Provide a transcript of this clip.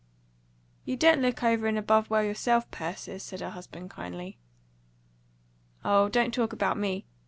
"You don't look over and above well yourself, Persis," said her husband kindly. "Oh, don't talk about me.